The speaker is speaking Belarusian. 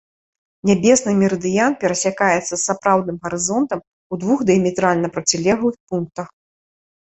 Нябесны мерыдыян перасякаецца з сапраўдным гарызонтам у двух дыяметральна процілеглых пунктах.